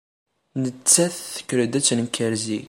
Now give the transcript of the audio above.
Nettat tekṛed ad d-tenker zik.